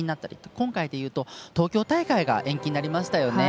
今回でいうと東京大会が延期になりましたね。